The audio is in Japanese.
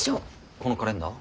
このカレンダー？